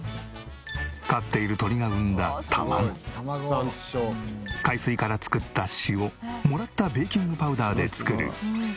飼っている鶏が産んだ卵海水から作った塩もらったベーキングパウダーで作る。